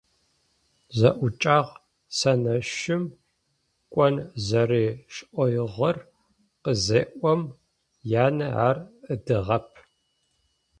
Зэӏукӏэгъу сэнашъом кӏон зэрэшӏоигъор къызеӏом, янэ ар ыдэгъэп.